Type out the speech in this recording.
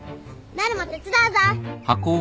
なるも手伝うぞ。